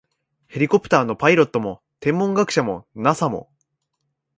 ヘリコプターのパイロットも、天文学者も、ＮＡＳＡ も、